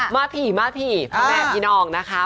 มาพี่แม่ปีนองนะคะ